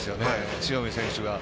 塩見選手が。